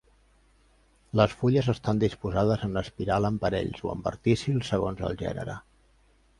Les fulles estan disposades en espiral en parells o en verticils, segons el gènere.